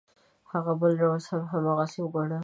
هغه بل روش هم هماغسې وګڼه.